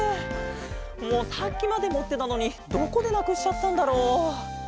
もうさっきまでもってたのにどこでなくしちゃったんだろう？